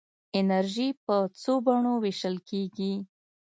انرژي په څو بڼو ویشل کېږي.